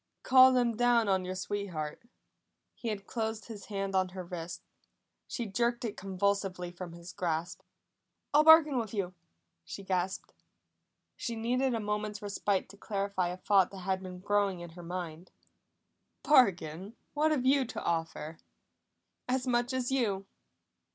"Call them down on your sweetheart!" He had closed his hand on her wrist; she jerked it convulsively from his grasp. "I'll bargain with you!" she gasped. She needed a moment's respite to clarify a thought that had been growing in her mind. "Bargain? What have you to offer?" "As much as you!"